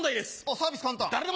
サービス簡単？